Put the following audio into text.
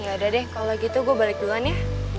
yaudah deh kalau gitu gue balik duluan ya